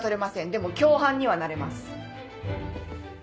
でも共犯にはなれます。